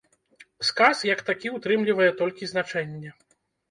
Сказ, як такі ўтрымлівае толькі значэнне.